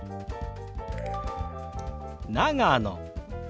「長野」。